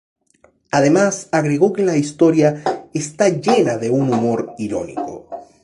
Además agregó que la historia "está llena de un humor irónico".